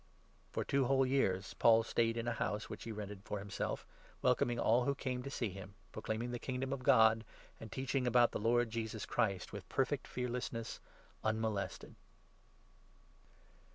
For two whole years Paul stayed in a house which he rented 30 for himself, welcoming all who came to see him, proclaiming 31 the Kingdom of God, and teaching about the Lord Jesus Christ, with perfect fearlessness, unmolested.